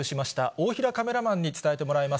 大平カメラマンに伝えてもらいます。